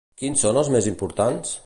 Quins són els més importants?